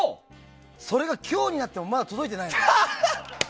それが今日になってもまだ届いてないのよ。